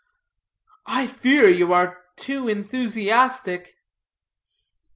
"I fear you are too enthusiastic."